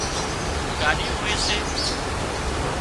ڳاڏيون هوئي سي